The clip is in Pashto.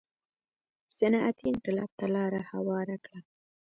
صنعتي انقلاب ته لار هواره کړه.